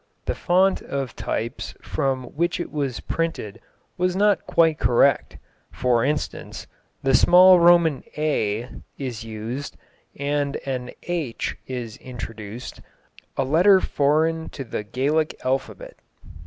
The fount of types from which it was printed was not quite correct; for instance, the small Roman "a" is used, and an "H" is introduced, a letter foreign to the Gaelic alphabet.